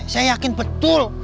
saya yakin betul